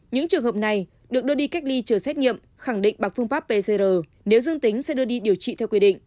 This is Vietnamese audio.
những trường hợp này được đưa đi cách ly chờ xét nghiệm khẳng định bằng phương pháp pcr nếu dương tính sẽ đưa đi điều trị theo quy định